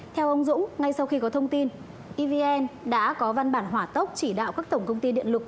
theo ông dũng ngay sau khi có thông tin evn đã có văn bản hỏa tốc chỉ đạo các tổng công ty điện lực